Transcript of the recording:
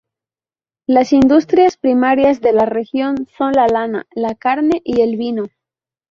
Las industrias primarias de la región son la lana, la carne y el vino.